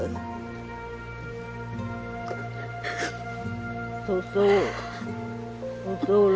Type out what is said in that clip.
สู้